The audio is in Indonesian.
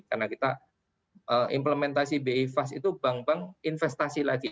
karena kita implementasi bi fast itu bank bank investasi lagi